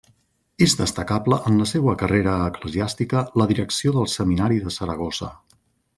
És destacable en la seua carrera eclesiàstica la direcció del Seminari de Saragossa.